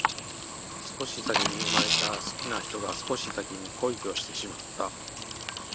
少し先に生まれた好きな人が少し先に恋をしてしまった